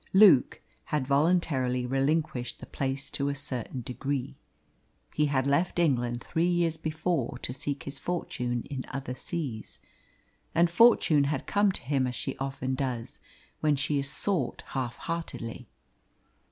Luke had voluntarily relinquished the place to a certain degree. He had left England three years before to seek his fortune in other seas, and Fortune had come to him as she often does when she is sought half heartedly.